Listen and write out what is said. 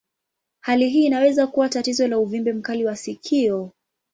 Hali hii inaweza kuwa tatizo la uvimbe mkali wa sikio.